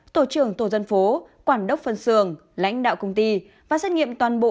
tổ trưởng tổ dân phố quản đốc phân xưởng lãnh đạo công ty và xét nghiệm toàn bộ